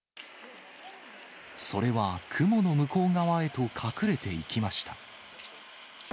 それは雲の向こう側へと隠れていきました。